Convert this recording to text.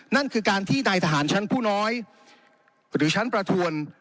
นั่นคือการที่นายทหารชั้นผู้น้อยหรือชั้นประทวน